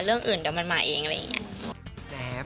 เรื่องอื่นเดี๋ยวมันมาเองอะไรอย่างนี้